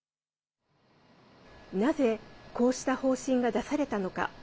なぜこうした方針が出されたのか。